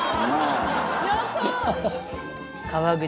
やったー！